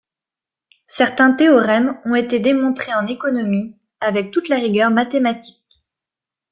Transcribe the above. Certains théorèmes ont été démontrés en économie, avec toute la rigueur mathématique.